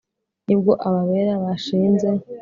Ni bwo aba bera bashinze